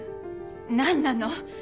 何なの？